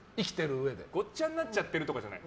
ごっちゃになっちゃってるとかじゃない。